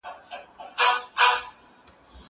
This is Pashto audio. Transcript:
زه مخکي کتابونه وړلي وو!؟